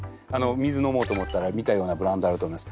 水飲もうと思ったら見たようなブランドあると思います。